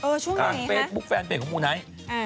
เออช่วงไหนครับอเจมส์บุ๊คแฟนเป็นของมูนัย